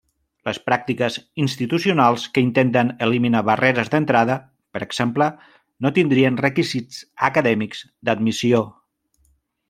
Les pràctiques institucionals que intenten eliminar barreres d'entrada, per exemple, no tindrien requisits acadèmics d'admissió.